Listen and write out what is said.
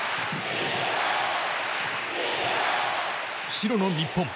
白の日本。